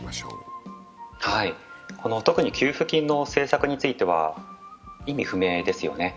特に給付金の政策については意味不明ですよね。